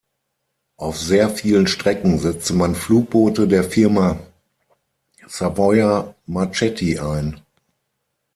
Auf sehr vielen Strecken setzte man Flugboote der Firma Savoia Marchetti ein.